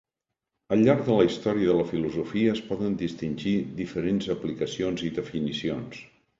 Al llarg de la història de la filosofia es poden distingir diferents aplicacions i definicions.